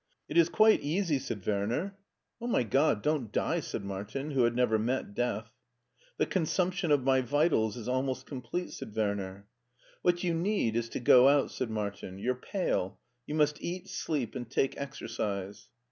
It is quite easy," said Werner. " Oh, my God, don't die !" said Martin, who had n^ver met death. " The consumption of my vitals is almost complete/' said Werner. " What you need is to go out," said Martin ;" you're pale. You must eat, sleep, and take exercise."